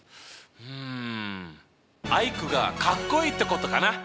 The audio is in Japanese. うんアイクがかっこいいってことかな！